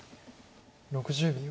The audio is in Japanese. ６０秒。